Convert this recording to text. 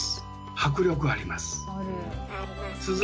迫力あります。